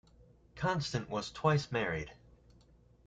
Constant was twice married.